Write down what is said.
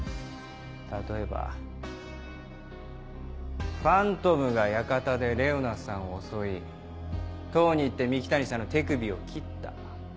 例えばファントムが館でレオナさんを襲い塔に行って三鬼谷さんの手首を切った。